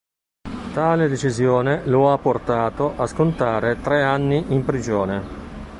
Tale decisione lo ha portato a scontare tre anni in prigione.